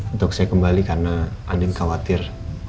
untuk saya kembali karena andien khawatir